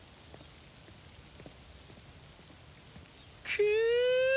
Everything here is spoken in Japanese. くう！